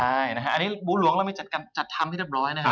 ใช่อันนี้บุหรวงเรามีจัดทำที่เรียบร้อย